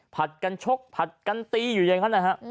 กันชกผัดกันตีอยู่อย่างนั้นนะฮะ